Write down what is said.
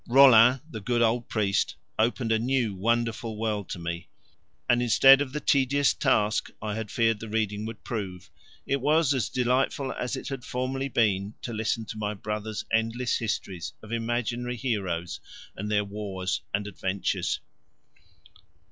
Rollin, the good old priest, opened a new wonderful world to me, and instead of the tedious task I had feared the reading would prove, it was as delightful as it had formerly been to listen to my brother's endless histories of imaginary heroes and their wars and adventures.